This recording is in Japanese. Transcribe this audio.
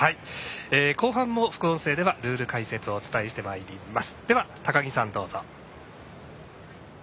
後半も副音声ではルール解説お伝えしてまいります。